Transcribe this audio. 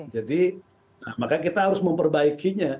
jadi makanya kita harus memperbaikinya